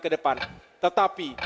ke depan tetapi